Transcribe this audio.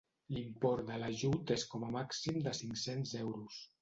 L'import de l'ajut és com a màxim de cinc-cents euros.